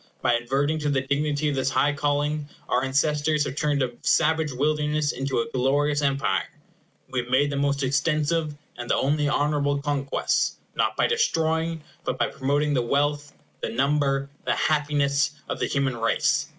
By adverting to the dignity of this high calling our ancestors have turned a savage wilderness into a glorious empire, and have made the most extensive and the only honorable conquests not by destroying, but by promoting the wealth, the number, the happiness, of the human race.